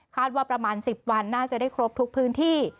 ว่าประมาณ๑๐วันน่าจะได้ครบทุกพื้นที่